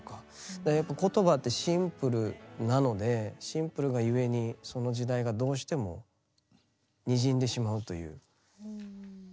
でやっぱ言葉ってシンプルなのでシンプルがゆえにその時代がどうしてもにじんでしまうという。